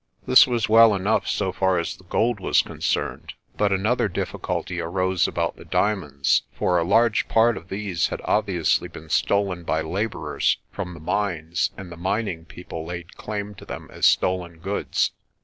This was well enough so far as the gold was concerned, but another difficulty arose about the diamonds; for a large part of these had obviously been stolen by labourers from the mines and the mining people laid claim to them as stolen goods.